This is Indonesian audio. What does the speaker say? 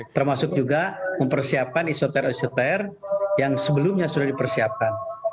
termasuk juga mempersiapkan isoter isoter yang sebelumnya sudah dipersiapkan